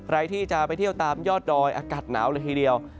ใครที่จะไปเที่ยวตามยอดดอยอากาศหนาวเลยทีเดียว